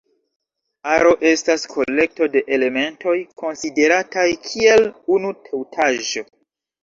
Aro estas kolekto de elementoj konsiderataj kiel unu tutaĵo.